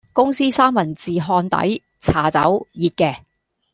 公司三文治烘底，茶走，熱嘅